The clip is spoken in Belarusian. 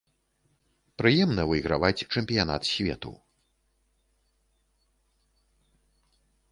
Прыемна выйграваць чэмпіянат свету.